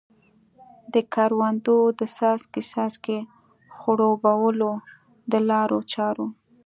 د کروندو د څاڅکې څاڅکي خړوبولو د لارو چارو.